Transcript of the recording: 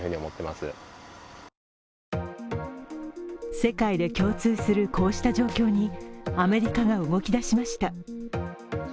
世界で共通するこうした状況に、アメリカが動き出しました。